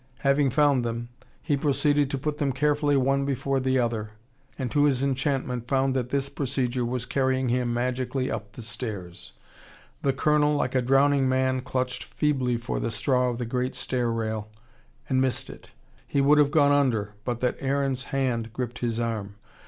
Having found them, he proceeded to put them carefully one before the other, and to his enchantment found that this procedure was carrying him magically up the stairs. The Colonel, like a drowning man, clutched feebly for the straw of the great stair rail and missed it. He would have gone under, but that Aaron's hand gripped his arm.